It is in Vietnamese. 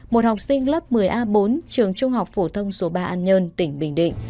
một học sinh lớp một mươi a bốn trường trung học phổ thông số ba an nhơn tỉnh bình định